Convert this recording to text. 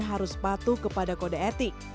harus patuh kepada kode etik